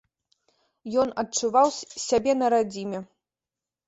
Ён адчуваў сябе на радзіме.